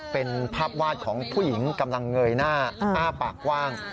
เป็นภาพวาดของผู้หญิงกำลังเงยหน้าอ้าปากกว้าง